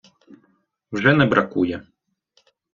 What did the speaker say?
Вже не бракує.